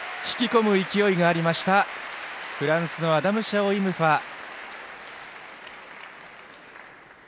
引き込む勢いがありましたフランスのアダム・シャオイムファ。